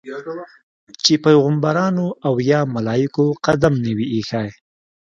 چې پیغمبرانو او یا ملایکو قدم نه وي ایښی.